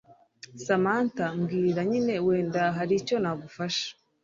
Samantha mbwira nyine wenda haricyo nagufasha